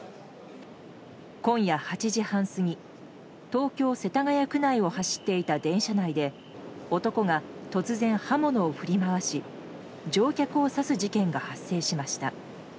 今夜８時半過ぎ東京・世田谷区内を走っていた電車内で男が突然、刃物を振り回し乗客を刺す事件が発生しました。